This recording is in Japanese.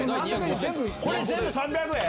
これ全部３００円？